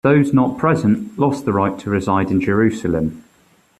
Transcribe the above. Those not present lost the right to reside in Jerusalem.